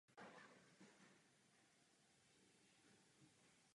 Small Faces byli jednou z nejuznávanějších a nejvlivnějších mod kapel šedesátých let.